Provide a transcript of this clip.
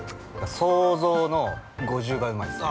◆想像の５０倍うまいっすね。